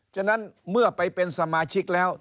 ฉะนั้นเมื่อไปเป็นสมาชิกแล้ว